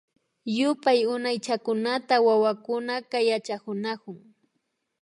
Yupay Unaychakunata wawakunaka yachakunakun